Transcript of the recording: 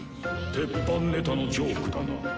鉄板ネタのジョークだな。